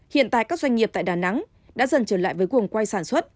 hiện tại các doanh nghiệp tại đà nẵng đã dần trở lại với cuồng quay sản xuất